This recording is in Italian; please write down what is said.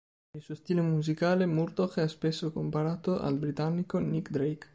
Per il suo stile musicale, Murdoch è spesso comparato ad il britannico Nick Drake.